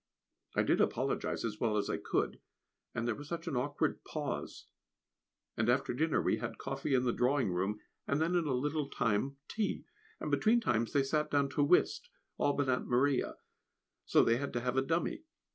I did apologise as well as I could, and there was such an awkward pause; and after dinner we had coffee in the drawing room, and then in a little time tea, and between times they sat down to whist, all but Aunt Maria so they had to have a dummy.